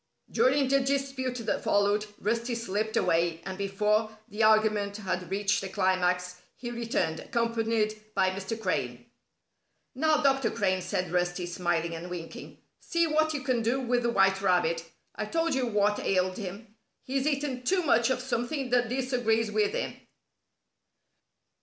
During the dispute that followed, Rusty slipped away, and before the argument had reached a climax, he returned, accompanied by Mr. Crane. "Now, Dr. Crane," said Rusty, smiling and winking, "see what you can do with the White Rabbit. I told you what ailed him. He's eaten too much of something that disagrees with him."